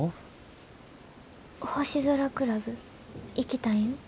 星空クラブ行きたいん？